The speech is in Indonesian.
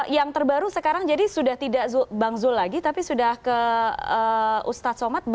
yang terbaru sekarang jadi sudah tidak bang zul lagi tapi sudah ke ustadz somad